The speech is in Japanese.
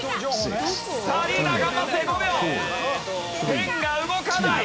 ペンが動かない！